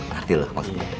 ngerti lu maksudnya